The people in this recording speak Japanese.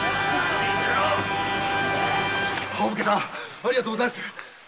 ありがとうございます。